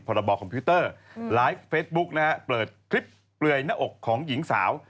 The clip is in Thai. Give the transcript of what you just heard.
บอคอมพิวเตอร์ไลฟ์เฟสบุ๊กนะฮะเปิดคลิปเปลือยหน้าอกของหญิงสาว